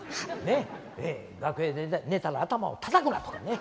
ねっ楽屋でネタの頭をたたくなとかね。